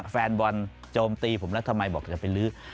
แฟนบอลโจมตีผมแล้วทำไมบอกจะไปลื้อ